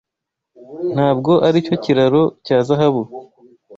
Ntabwo aricyo kiraro cya Zahabu?